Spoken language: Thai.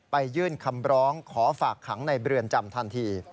ยื่นคำร้องขอฝากขังในเรือนจำทันที